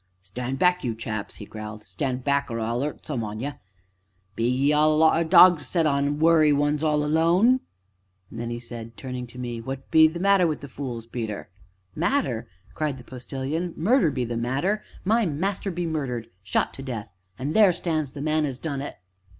"Stand back, you chaps," he growled, "stand back or I'll 'urt some on ye; be ye all a lot o' dogs to set on an' worry one as is all alone?" And then, turning to me, "What be the matter wi' the fools, Peter?" "Matter?" cried the Postilion; "murder be the matter my master be murdered shot to death an' there stands the man as done it!"